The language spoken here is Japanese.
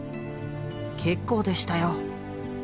結構でしたよ。